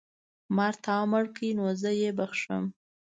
مار تا مړ کړی نو زه یې بښم.